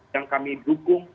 yang kami dukung